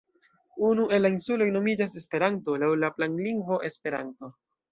Unu el la insuloj nomiĝas Esperanto, laŭ la planlingvo Esperanto.